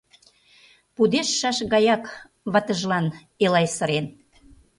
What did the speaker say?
Пудештшаш гаяк ватыжлан Элай сырен.